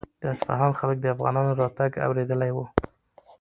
د اصفهان خلک د افغانانو راتګ اورېدلی و.